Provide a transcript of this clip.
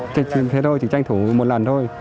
chứ này cũng chỉ tranh thủ một lần thôi